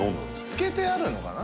つけてあるのかな？